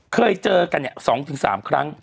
เคยเจอกัน๒๓ครั้ง